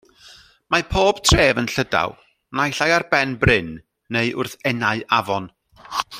Mae pob tref yn Llydaw naill ai ar ben bryn neu wrth enau afon.